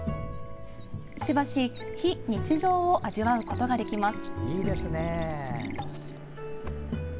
しばし非日常を味わうことができます。